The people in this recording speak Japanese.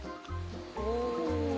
うん。